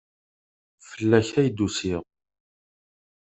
Fell-ak ay d-usiɣ.